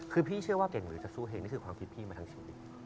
คือพี่เชื่อว่าเก่งหรือจะสู้เพลงนี่คือความคิดพี่มาทั้งชีวิต